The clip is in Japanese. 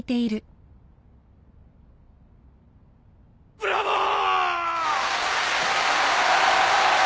ブラボー！